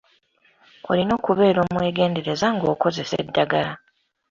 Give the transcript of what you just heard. Olina okubeera omwegendereza ng'okozesa eddagala.